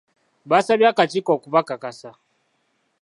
Baasabye akakiiko okubakakasa.